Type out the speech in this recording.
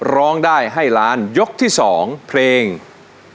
ร้องได้ให้ร้านยกที่๒เพลงมาครับ